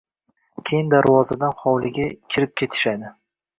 Keyin darvozadan xovliga kirib ketishadi...